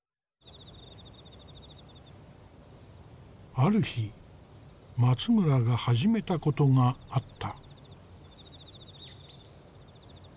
・ある日松村が始めたことがあった。